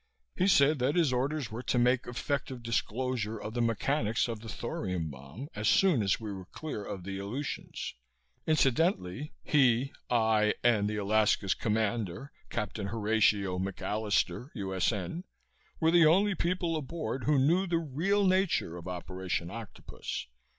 He said that his orders were to make effective disclosure of the mechanics of the thorium bomb as soon as we were clear of the Aleutians. Incidentally, he, I and Alaska's commander, Captain Horatio McAllister, U.S.N., were the only people aboard who knew the real nature of Operation Octopus.